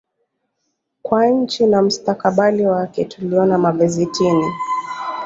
kwa nchi na mustakabali wake Tuliona magazetini